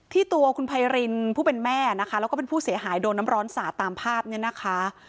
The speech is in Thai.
ตัวคุณไพรินผู้เป็นแม่นะคะแล้วก็เป็นผู้เสียหายโดนน้ำร้อนสาดตามภาพเนี่ยนะคะ